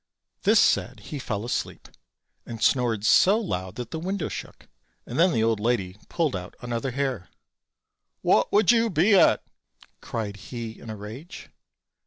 This said, he fell asleep, and snored so loud that the window shook, and then the old lady pulled out another hair. "What would you be at?" cried he in a rage.